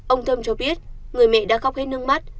ông thơm cho biết người mẹ đã khóc hết nước mắt